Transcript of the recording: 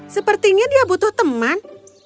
sepertinya dia butuh teman